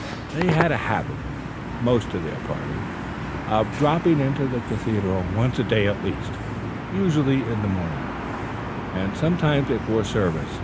They had a habit, most of their party, of dropping into the Cathedral once a day at least, usually in the morning, and sometimes before service.